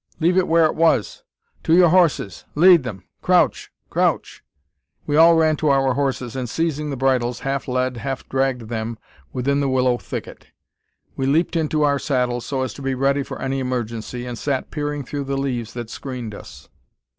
Leave it where it was. To your horses! Lead them! Crouch! crouch!" We all ran to our horses, and, seizing the bridles, half led, half dragged them within the willow thicket. We leaped into our saddles, so as to be ready for any emergency, and sat peering through the leaves that screened us.